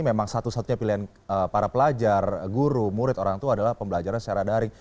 memang satu satunya pilihan para pelajar guru murid orang tua adalah pembelajaran secara daring